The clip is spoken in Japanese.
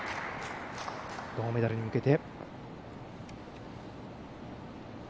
銅メダルに向けて。